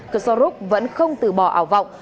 cực so rốt vẫn không từ bỏ ảo vọng